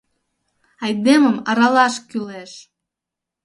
Айдемым аралаш кӱлеш!